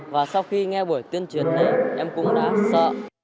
và sau khi nghe buổi tuyên truyền này em cũng đã sợ